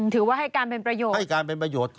ถือว่าให้การเป็นประโยชน์